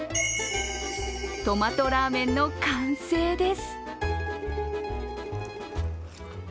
トマトラーメンの完成です。